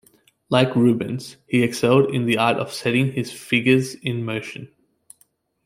Like Rubens he excelled in the art of setting his figures in motion.